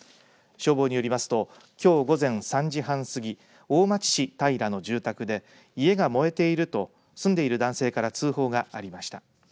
消防によりますときょう午前３時半過ぎ大町市平の住宅で家が燃えていると住んでいる男性から通報がありました。